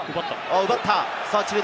奪った！